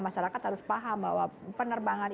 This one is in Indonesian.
masyarakat harus paham bahwa penerbangan